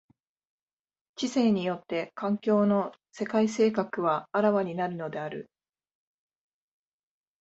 知性によって環境の世界性格は顕わになるのである。